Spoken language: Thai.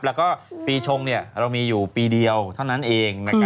แล้วก็ปีชงเรามีอยู่ปีเดียวเท่านั้นเอง